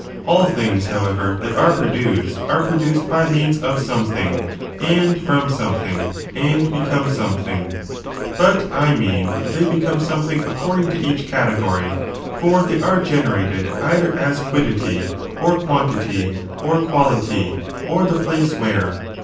All things, however^ that ai*e tion exempli produced. are produced by means of something, ^twn^^^n*^ and frx)m something, and become something. But »i« and artifi I mean that they become something according to ®^»*"^*'»®^^ each category ; for they are generated either as quiddity, or quantity, or quality, or the place where.